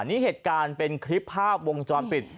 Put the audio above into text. นี่เหตุการณ์เป็นคลิปภาพวงจรปิด